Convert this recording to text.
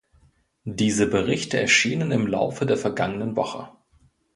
Diese Berichte erschienen im Laufe der vergangenen Woche.